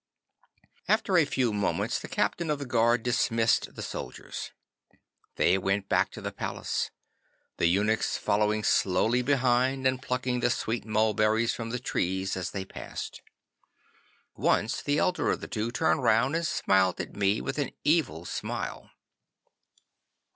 'After a few moments the captain of the guard dismissed the soldiers. They went back to the palace, the eunuchs following slowly behind and plucking the sweet mulberries from the trees as they passed. Once the elder of the two turned round, and smiled at me with an evil smile.